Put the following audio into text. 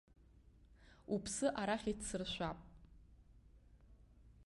Уԥсы арахь иҭсыршәап!